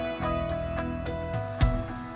saya sudah berhasil menambah jalan